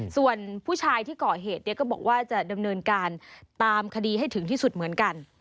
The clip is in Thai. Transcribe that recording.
ส่วนผู้ชายที่ก่อเหตุก็บอกว่าจะดำเนินการตามคดีให้ถึงที่สุดเหมือนกัน